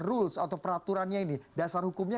rules atau peraturannya ini dasar hukumnya